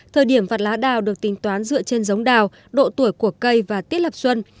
thời điểm vặt lá đào được tính toán dựa trên giống đào độ tuổi của cây và tiết lập xuân